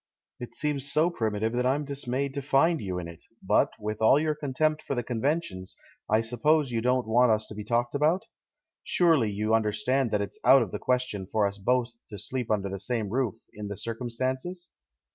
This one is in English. "It seems so primitive that I'm dismayed to find you in it; but, with all your contempt for the conventions, I suppose you don't want us to be talked about ? Surely you understand that it's out of the question for us both to sleep under the same roof, in the circumstances?"